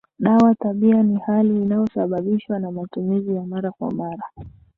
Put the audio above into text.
dawa tabia ni hali inayosababishwa na matumizi ya mara kwa mara